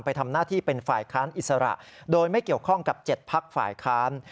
ไปทำหน้าที่เป็นฝ่ายค้านอิสระโดยไม่เกี่ยวข้องกับ๗พักฝ่ายค้าน